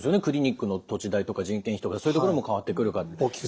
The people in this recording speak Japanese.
クリニックの土地代とか人件費とかそういうところも変わってくるかと。